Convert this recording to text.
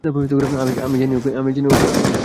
আমি জানি, ওকে?